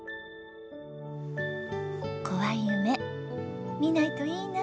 こわい夢見ないといいな。